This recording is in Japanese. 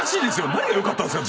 何が良かったんですか